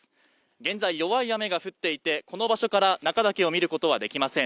現在弱い雨が降っていてこの場所から中岳を見ることはできません